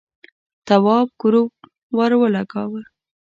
تواب گروپ ور ولگاوه.